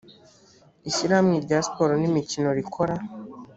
ishyirahamwe rya siporo n imikino rikora